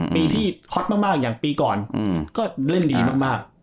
ปีที่คอล์ตมากก็เล่นดีมาก